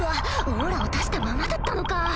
オーラを出したままだったのか！